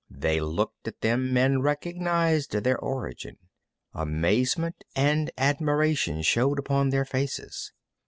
They looked at them, and recognized their origin. Amazement and admiration showed upon their faces.